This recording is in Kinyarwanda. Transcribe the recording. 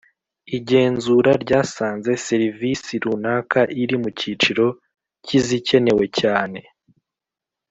Igenzura ryasanze serivisi runaka iri mu cyiciro cy’izikenewe cyane